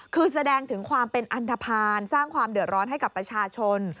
คือแสดงถึงความเป็นอันทภาณสร้างความเดือดร้อนให้กับประชาชน